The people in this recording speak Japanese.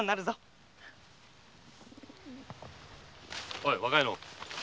おい若いの！